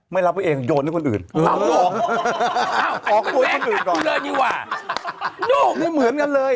ไม่รับไว้เองโยนให้คนอื่นอ๋อออกตัวให้คนอื่นก่อนนี่เหมือนกันเลย